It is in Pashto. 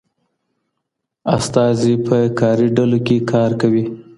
استازي په کاري ډلو کي کار کوي.